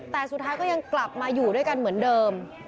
แต่สุดท้ายก็ยังกลับมาอยู่ด้วยกันเหมือนเดิม